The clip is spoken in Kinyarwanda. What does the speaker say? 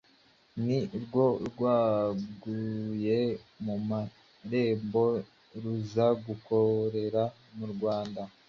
ni rwo rwaguye amarembo ruza gukorera mu Rwanda.